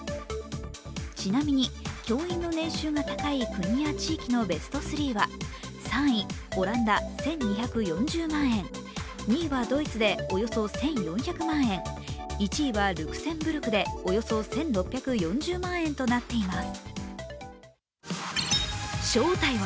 ちなみに、教員の年収が高い国や地域のベスト３は、３位オランダ、１２４０万円、２位はドイツでおよそ１４００万円、１位はルクセンブルクでおよそ１６４０万円となっています。